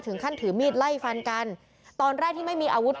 ถึงขั้นถือมีดไล่ฟันกันตอนแรกที่ไม่มีอาวุธ